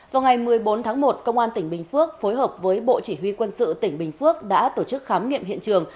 vào ngày một mươi bốn tháng một công an tỉnh bình phước phối hợp với bộ chỉ huy quân sự tỉnh bình phước đã tổ chức khám nghiệm hiện trường